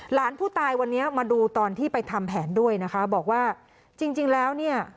หลานผู้ตายวันนี้มาดูตอนที่ไปทำแผนด้วยนะคะบอกว่าจริงจริงแล้วเนี่ย